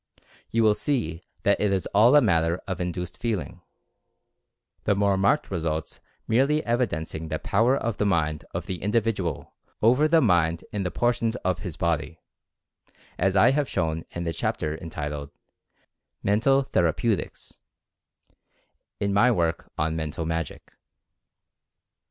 You will see that it is all a matter of "in duced feeling," the more marked results merely evi dencing the power of the mind of the individual over the mind in the portions of his body, as I have shown Experiments in Induced Sensation 113 in the chapter entitled "Mental Therapeutics" in my work on "Mental Magic."